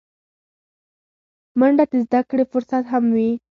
منډه د زدهکړې فرصت هم وي